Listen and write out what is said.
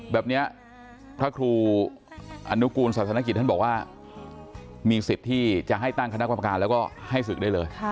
แบบนี้พระครูอนุกูลศาสนกิจท่านบอกว่ามีสิทธิ์ที่จะให้ตั้งคณะกรรมการแล้วก็ให้ศึกได้เลย